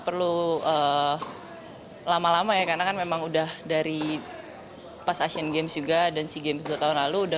perlu lama lama ya karena kan memang udah dari pas asian games juga dan sea games dua tahun lalu udah